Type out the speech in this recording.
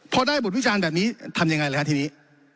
พอได้บทวิจารณ์แบบนี้ทำยังไงเลยฮะทีนี้